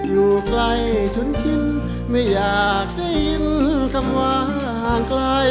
อยู่ไกลทุนกินไม่อยากได้ยินคำว่าห่างไกล